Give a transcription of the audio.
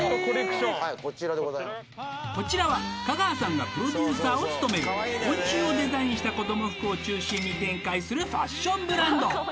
こちらこちらは香川さんがプロデューサーを務める昆虫をデザインした子ども服を中心に展開するファッションブランド